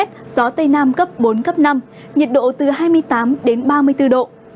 gió tây nam cấp bốn năm nhiệt độ từ hai mươi tám ba mươi bốn độ